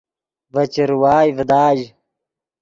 ڤے چروائے ڤداژ